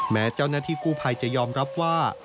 แม้เจ้าหน้าที่กู้ภัยจะยอมรับว่า